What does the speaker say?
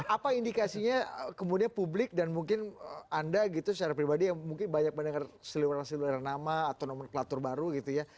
apa indikasinya kemudian publik dan mungkin anda gitu secara pribadi yang mungkin banyak mendengar seluaran seluaran nama atau nomenklatur baru gitu ya